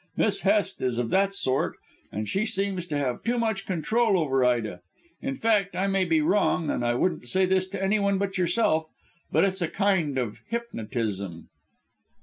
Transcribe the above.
Miss Hest is of that sort, and she seems to have too much control over Ida. In fact I may be wrong, and I wouldn't say this to anyone but yourself but it's a kind of hypnotism."